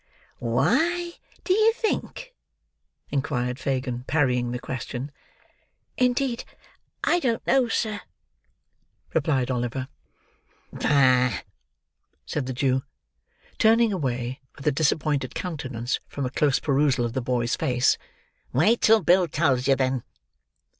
"Why, do you think?" inquired Fagin, parrying the question. "Indeed I don't know, sir," replied Oliver. "Bah!" said the Jew, turning away with a disappointed countenance from a close perusal of the boy's face. "Wait till Bill tells you, then."